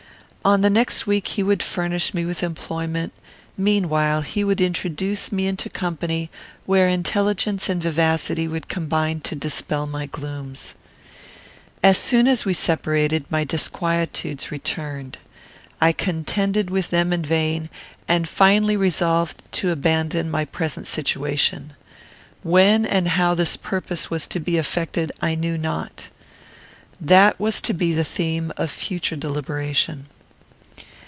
On the next week he would furnish me with employment; meanwhile he would introduce me into company, where intelligence and vivacity would combine to dispel my glooms. As soon as we separated, my disquietudes returned. I contended with them in vain, and finally resolved to abandon my present situation. When and how this purpose was to be effected I knew not. That was to be the theme of future deliberation.